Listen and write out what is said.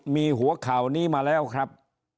มีหัวข่าวนี้มาแล้วครับ